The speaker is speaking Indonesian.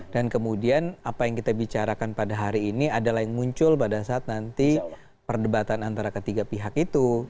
dan kemudian apa yang kita bicarakan pada hari ini adalah yang muncul pada saat nanti perdebatan antara ketiga pihak itu